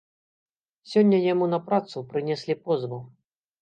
Сёння яму на працу прынеслі позву.